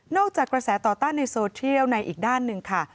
จากกระแสต่อต้านในโซเทียลในอีกด้านหนึ่งค่ะ